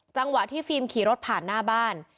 จังหวะที่ฟิล์มขี่รถผ่านหน้าบ้าน